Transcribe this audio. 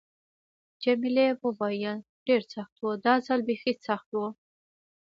جميلې وويل:: ډېر سخت و، دا ځل بیخي سخت و.